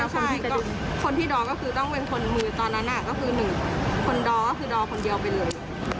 ใช่คนที่ดอก็คือต้องเป็นคนมือตอนนั้นก็คือ๑คนดอก็คือดอคนเดียวไปเลย